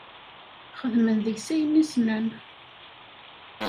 Xedmen deg-s ayen i ssnen.